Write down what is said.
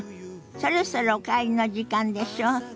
そろそろお帰りの時間でしょ？